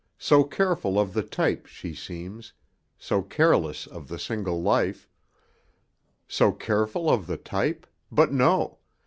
So careful of the type she seems, So careless of the single life: So careful of the type? but no.